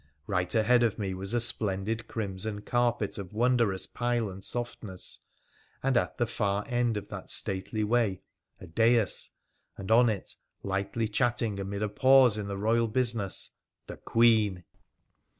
Eight ahead of me was a splendid crimson carpet of wondrous pile and softaesa and at the far end of that stately way a dais, PHRA THE PHCENICIAN 251 and on it, lightly chatting amid a pause in the Eoyal business — the Queen